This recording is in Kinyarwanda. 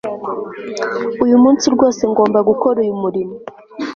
Uyu munsi rwose ngomba gukora uyu murimo